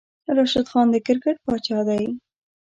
راشد خان د کرکیټ پاچاه دی